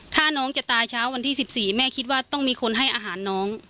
ถ้าน้องจะตายเช้าวันที่๑๔แม่คิดว่าต้องมีคนให้อาหารน้อง